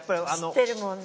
知ってるもんね。